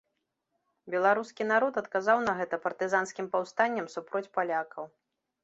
Беларускі народ адказаў на гэта партызанскім паўстаннем супроць палякаў.